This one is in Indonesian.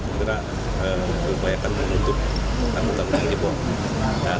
kita berupaya untuk menutup tanggul tanggul yang jebol